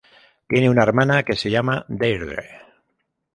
Tiene una hermana que se llama Deirdre.